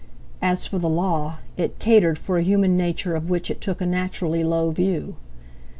As for the law—it catered for a human nature of which it took a naturally low view.